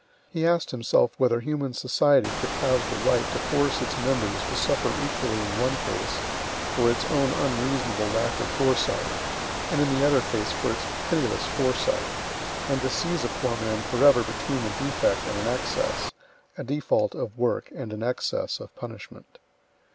He asked himself whether human society could have the right to force its members to suffer equally in one case for its own unreasonable lack of foresight, and in the other case for its pitiless foresight; and to seize a poor man forever between a defect and an excess, a default of work and an excess of punishment.